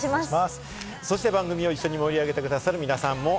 そして番組を一緒に盛り上げてくださる皆さんです。